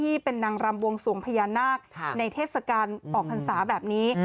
ที่เป็นนางรำบวงสวงพญานาคในเทศกาลออกพรรษาแบบนี้